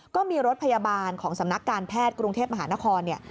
ก็มีรถพยาบาลของสำนักการแพทย์กรุงเทพมหานครเนี่ย